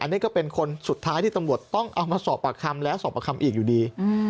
อันนี้ก็เป็นคนสุดท้ายที่ตำรวจต้องเอามาสอบปากคำแล้วสอบประคำอีกอยู่ดี